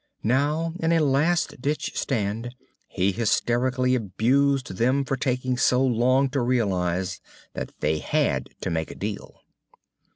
Now in a last ditch stand, he hysterically abused them for taking so long to realize that they had to make a deal.